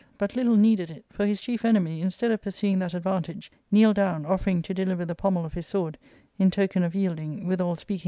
But little needed it ; for his chief enemy, instead of pur .^ suing that advantage, kneeled down, oflfenng to deliver the pommel oi nis sword, in token oi yielding^wItEal speaking